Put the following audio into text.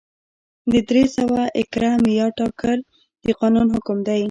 د درې سوه ایکره معیار ټاکل د قانون حکم و.